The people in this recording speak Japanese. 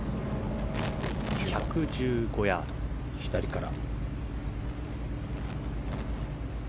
１１５ヤード、左から。